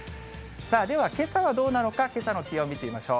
さあ、ではけさはどうなのか、けさの気温見てみましょう。